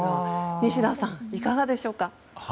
西田さん、いかがでしょうか。